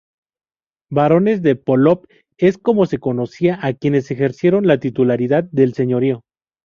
Barones de Polop es como se conocía a quienes ejercieron la titularidad del señorío.